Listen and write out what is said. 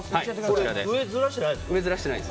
ずらしてないです。